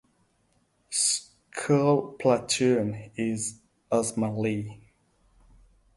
Skull Platoon is Ozma Lee.